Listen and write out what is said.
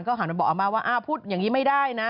หันไปบอกอาม่าว่าพูดอย่างนี้ไม่ได้นะ